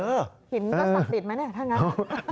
หินก็สักติดไหมแน่ถ้างั้น